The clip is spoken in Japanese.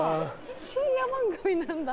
深夜番組なんだ。